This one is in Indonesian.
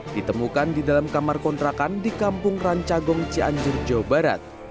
ditemukan di dalam kamar kontrakan di kampung rancagong cianjur jawa barat